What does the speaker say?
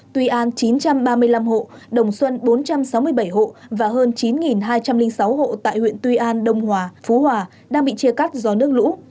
tuy an chín trăm ba mươi năm hộ đồng xuân bốn trăm sáu mươi bảy hộ và hơn chín hai trăm linh sáu hộ tại huyện tuy an đông hòa phú hòa đang bị chia cắt do nước lũ